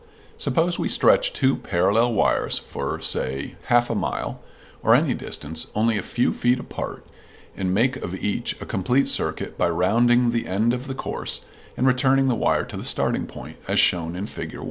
Suppose we stretch two parallel wires for, say, half a mile, or any distance, only a few feet apart, and make of each a complete circuit by rounding the end of the course and returning the wire to the starting point (as shown in Fig.